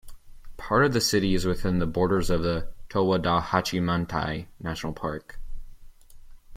Part of the city is within the borders of the Towada-Hachimantai National Park.